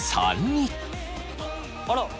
あら！